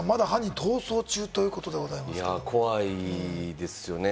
怖いですよね。